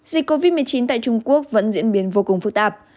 dịch covid một mươi chín tại trung quốc vẫn diễn biến vô cùng phức tạp